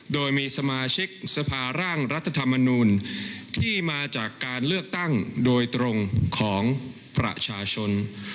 โดยมีสมาชิกสภาร่างรัฐธรรมนูลที่มาจากการเลือกตั้งโดยตรงของประชาชน